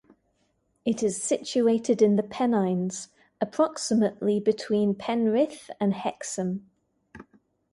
It is situated in the Pennines approximately between Penrith and Hexham.